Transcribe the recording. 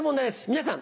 皆さん